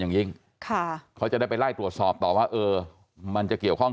อย่างยิ่งค่ะเขาจะได้ไปไล่ตรวจสอบต่อว่าเออมันจะเกี่ยวข้อง